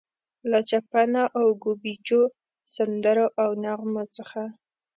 له چپنو او ګوبیچو، سندرو او نغمو څخه.